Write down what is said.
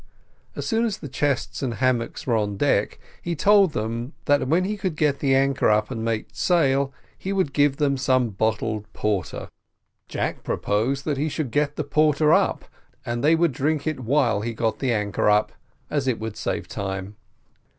As soon as the chests and hammocks were on the deck, he told them that when he could get the anchor up and make sail, he would give them some bottled porter. Jack proposed that he should get the porter up, and they would drink it while he got the anchor up, as it would save time.